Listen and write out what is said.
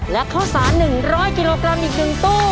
และข้าวสาร๑๐๐กิโลกรัมอีก๑ตู้